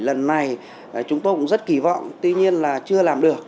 lần này chúng tôi cũng rất kỳ vọng tuy nhiên là chưa làm được